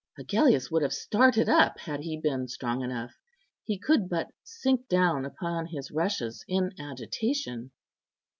Agellius would have started up had he been strong enough; he could but sink down upon his rushes in agitation.